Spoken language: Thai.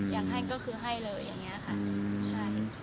อยากให้ก็คือให้เลยอย่างนี้ค่ะใช่